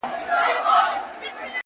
• استادان او شاگردان یې دهقانان کړل ,